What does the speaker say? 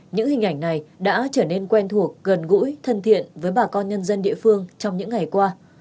những hình ảnh này đã trở nên quen thuộc gần gũi thân thiện với bà con nhân dân địa phương trong những ngày qua